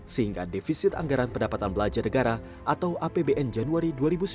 sehingga defisit anggaran pendapatan belanja negara atau apbn januari dua ribu sembilan belas